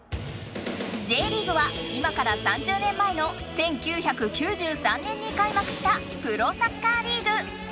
Ｊリーグは今から３０年前の１９９３年に開幕したプロサッカーリーグ。